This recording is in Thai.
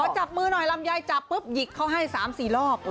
จับมือหน่อยลำไยจับปุ๊บหยิกเขาให้๓๔รอบ